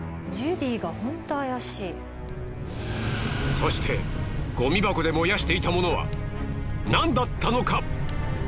そしてゴミ箱で燃やしていた物は何だったのか！？